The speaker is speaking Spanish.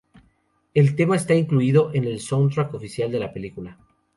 El tema está incluido en el soundtrack oficial de la película.